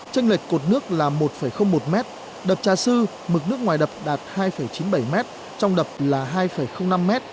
tranh lệch cột nước là một một m đập trà sư mực nước ngoài đập đạt hai chín mươi bảy m trong đập là hai năm m